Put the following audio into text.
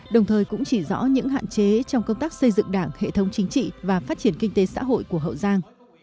đồng thời cũng chỉ rõ những hạn chế trong công tác xây dựng đảng hệ thống chính trị và phát triển kinh tế xã hội của hậu giang